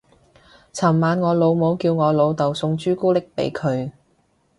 尋晚我老母叫我老竇送朱古力俾佢